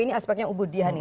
ini aspeknya ubudiyah nih